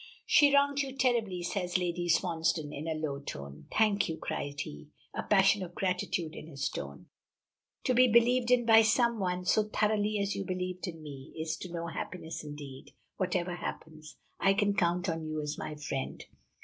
"She wronged you terribly," says Lady Swansdown in a low tone. "Thank you," cried he, a passion of gratitude in his tone. "To be believed in by someone so thoroughly as you believe in me, is to know happiness indeed. Whatever happens, I can count on you as my friend."